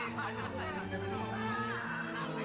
masih saya cari